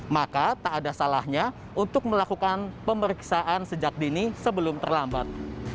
maka tak ada salahnya untuk melakukan pemeriksaan sejak dini sebelum terlambat